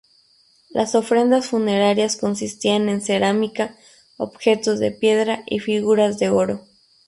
Las ofrendas funerarias consistían en cerámica, objetos de piedra y figuras de oro.